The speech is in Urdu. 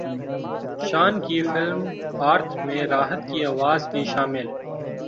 شان کی فلم ارتھ میں راحت کی اواز بھی شامل